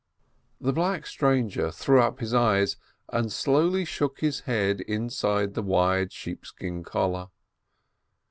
The black stranger threw up his eyes, and slowly shook his head inside the wide sheepskin collar.